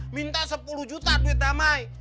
minta sepuluh juta tweet damai